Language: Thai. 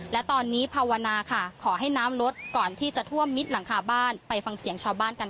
และตอนนี้ภาวนาค่ะขอให้น้ำลดก่อนที่จะท่วมมิดหลังคาบ้านไปฟังเสียงชาวบ้านกันค่ะ